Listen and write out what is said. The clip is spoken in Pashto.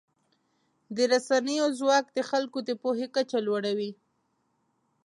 د رسنیو ځواک د خلکو د پوهې کچه لوړوي.